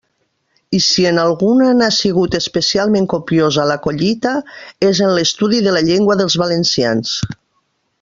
I si en alguna n'ha sigut especialment copiosa la collita, és en l'estudi de la llengua dels valencians.